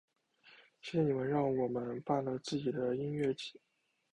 谢谢你们让我们办了自己的音乐祭！